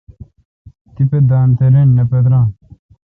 تیپہ دان تے رن نہ پتران۔